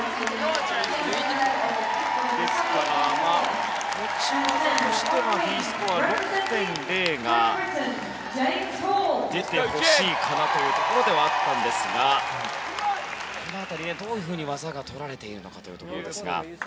ですから、持ち技としてはＤスコアで６．０が出てほしいかなというところではあったんですがこの辺り、どういうふうに技が取られているのかですが。